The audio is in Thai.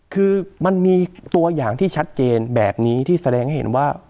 คือมันมีตัวอย่างที่ชัดเจนแบบนี้ที่แสดงให้เห็นว่า